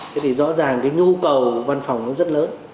thế thì rõ ràng cái nhu cầu văn phòng nó rất lớn